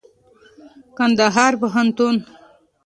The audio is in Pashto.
کنــدهـــار پوهنـتــون